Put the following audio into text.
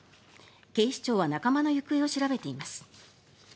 警視庁は仲間の行方を調べています。